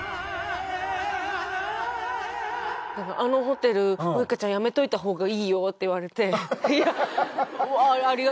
「あのホテルウイカちゃんやめといた方がいいよ」って言われて。